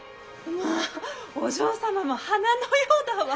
まぁお嬢様も華のようだわ。